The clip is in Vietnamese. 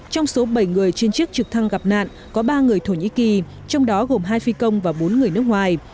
trong số bảy người trên chiếc trực thăng gặp nạn có ba người thổ nhĩ kỳ trong đó gồm hai phi công và bốn người nước ngoài